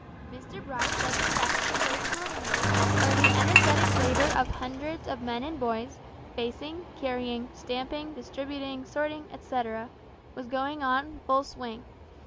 Mr Bright led them back to the great sorting room, where the energetic labour of hundreds of men and boys facing, carrying, stamping, distributing, sorting, etcetera was going on full swing.